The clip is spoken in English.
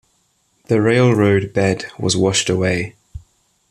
The railroad bed was washed away.